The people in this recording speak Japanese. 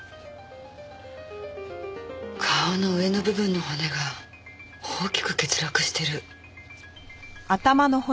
顔の上の部分の骨が大きく欠落してる。